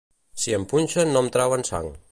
Si em punxen no em trauen sang.